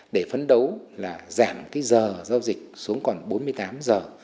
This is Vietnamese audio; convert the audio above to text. để phấn đấu là giảm cái giờ giao dịch xuống còn bốn mươi tám giờ